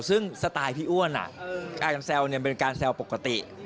ซึ่งสไตล์พี่อ้วนการแซวเนี่ยเป็นการแซวปกติ